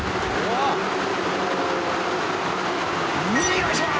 「よいしょー！」